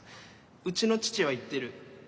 うちの父は言ってる。